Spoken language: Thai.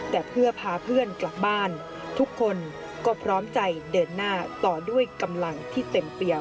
แต่เพื่อพาเพื่อนกลับบ้านทุกคนก็พร้อมใจเดินหน้าต่อด้วยกำลังที่เต็มเปรียว